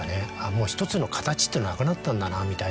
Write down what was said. もうひとつの形ってなくなったんだなみたいな。